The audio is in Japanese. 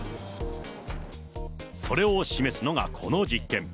それを示すのがこの実験。